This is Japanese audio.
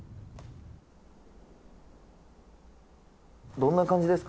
どんな感じですか？